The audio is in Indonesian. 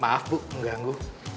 maaf bu mengganggu